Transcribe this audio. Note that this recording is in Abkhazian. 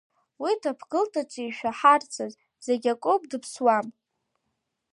Уи даԥгылт аҿы ишәаҳарцаз, зегь акоуп, дыԥсуам!